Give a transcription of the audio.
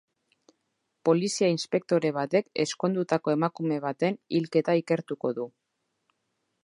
Polizia-inspektore batek ezkondutako emakume baten hilketa ikertuko du.